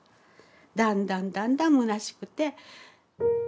だんだんだんだんむなしくて。